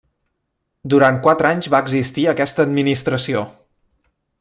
Durant quatre anys va existir aquesta administració.